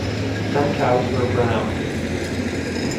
Some cows were brown.